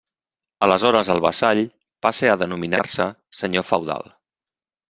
Aleshores el vassall passe a denominar-se ~senyor feudal~.